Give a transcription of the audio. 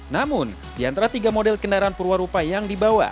namun di antara tiga model kendaraan purwarupa yang dibawa